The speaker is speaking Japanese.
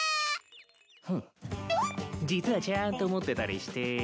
ふん実はちゃんと持ってたりして。